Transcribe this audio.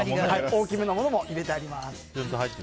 大きめのものも入れてあります。